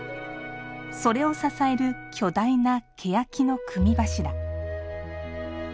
それを支える巨大なけやきの組柱。